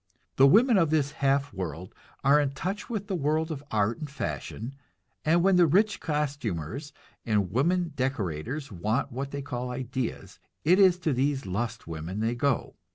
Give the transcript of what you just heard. The women of this "half world" are in touch with the world of art and fashion, and when the rich costumers and woman decorators want what they call ideas, it is to these lust women they go.